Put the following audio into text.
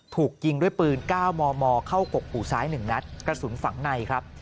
ถูกยิงด้วยปืน๙มมเข้ากกหูซ้าย๑นัดกระสุนฝังในครับ